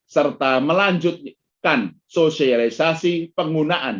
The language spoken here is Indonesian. serta melanjutkan sosialisasi penggunaan